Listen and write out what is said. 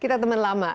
kita teman lama